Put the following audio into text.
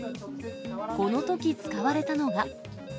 このとき使われたのが。